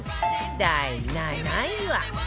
第７位は